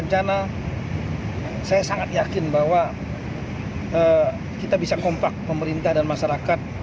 saya sangat yakin bahwa kita bisa kompak pemerintah dan masyarakat